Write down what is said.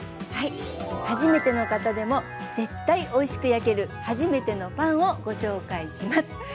はいはじめての方でも絶対おいしく焼けるはじめてのパンをご紹介します。